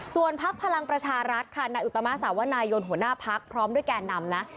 ส่วนพักพลังประชารัฐค่ะนายอุตมาสาวนายนหัวหน้าพักพร้อมด้วยแก่นำนะ